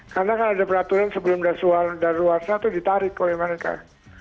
karena kan ada peraturan sebelum dari luar sana itu ditarik kalau yang mana kan